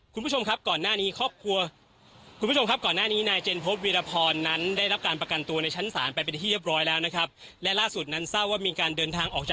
คุณผู้ชมครับก่อนหน้านี้ครอบครัว